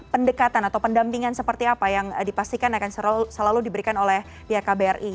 pendekatan atau pendampingan seperti apa yang dipastikan akan selalu diberikan oleh pihak kbri